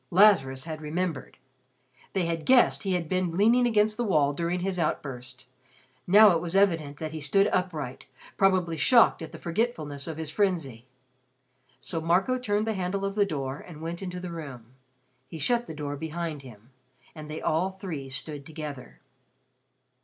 Lazarus had remembered. They had guessed he had been leaning against the wall during his outburst. Now it was evident that he stood upright, probably shocked at the forgetfulness of his frenzy. So Marco turned the handle of the door and went into the room. He shut the door behind him, and they all three stood together.